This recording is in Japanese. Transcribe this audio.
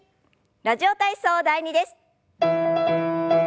「ラジオ体操第２」です。